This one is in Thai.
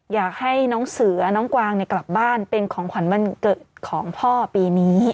อยากให้น้องเสือน้องกวางกลับบ้านเป็นของขวัญวันเกิดของพ่อปีนี้